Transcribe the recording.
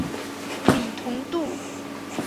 李同度。